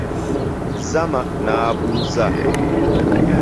Zama n'abuuza.